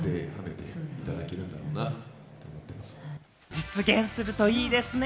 実現するといいですね。